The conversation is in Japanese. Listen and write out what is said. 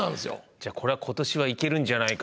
じゃあこれは今年はいけるんじゃないかと？